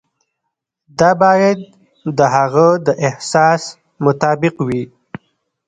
دا باید د هغه د احساس مطابق وي.